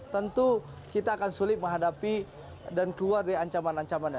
tentu kita akan sulit menghadapi dan keluar dari ancaman ancamannya